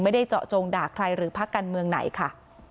ไม่ได้เจาะจงด่าใครหรือพักการเมืองไหนค่ะ